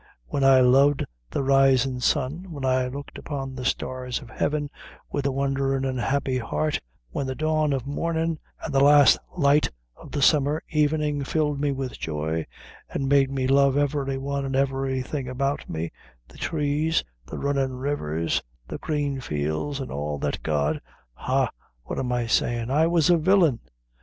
When I loved the risin' sun when I looked upon the stars of heaven with a wonderin' and happy heart when the dawn of mornin' and the last light of the summer evening filled me with joy, and made me love every one and everything about me the trees, the runnin' rivers, the green fields, and all that God ha, what am I sayin'? I was a villain.